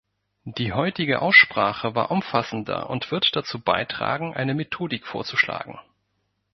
Die heutige Aussprache war umfassender und wird dazu beitragen, eine Methodik vorzuschlagen.